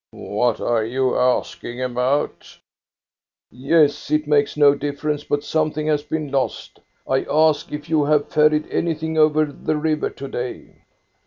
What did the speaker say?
"*' What are you asking about? " "Yes, it makes no difference, but something has been lost. I ask if you have ferried anything over the river to day?"